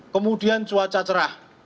kemudian cuaca cerah